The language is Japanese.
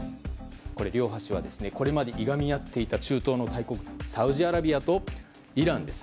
両端はこれまでいがみ合っていた中東の大国、サウジアラビアとイランです。